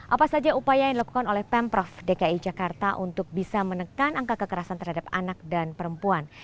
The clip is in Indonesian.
apa saja upaya yang dilakukan oleh pemprov dki jakarta untuk bisa menekan angka kekerasan terhadap anak dan perempuan